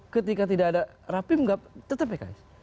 ketika tidak ada rapim tetap pks